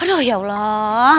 aduh ya allah